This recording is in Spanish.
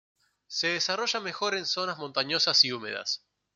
Se desarrolla mejor en zonas montañosas y húmedas.